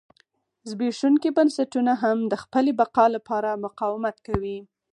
زبېښونکي بنسټونه هم د خپلې بقا لپاره مقاومت کوي.